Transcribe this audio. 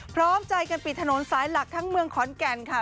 พร้อมใจกันปิดถนนสายหลักทั้งเมืองขอนแก่นค่ะ